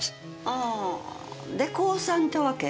ああで降参ってわけ？